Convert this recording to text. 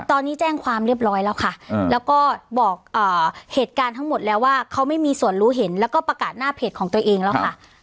ตอนนี้แจ้งความเรียบร้อยแล้วค่ะแล้วก็บอกเหตุการณ์ทั้งหมดแล้วว่าเขาไม่มีส่วนรู้เห็นแล้วก็ประกาศหน้าเพจของตัวเองแล้วค่ะ